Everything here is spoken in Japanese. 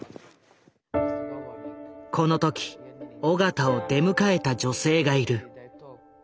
この時緒方を出迎えた女性がいる。